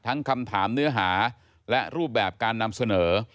คำถามเนื้อหาและรูปแบบการนำเสนอ